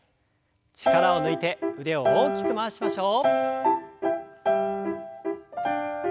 力を抜いて腕を大きく回しましょう。